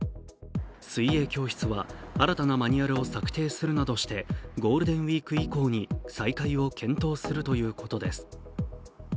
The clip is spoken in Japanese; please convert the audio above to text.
水泳教室は新たなマニュアルを策定するなどしてゴールデンウイーク以降に再開を検討するということです。